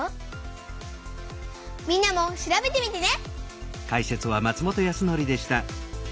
みんなも調べてみてね！